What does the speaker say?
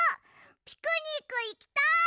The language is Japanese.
ピクニックいきたい！